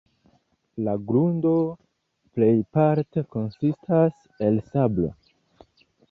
La grundo plejparte konsistas el sablo.